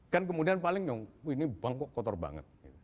kan kemudian paling yang ini bang kok kotor banget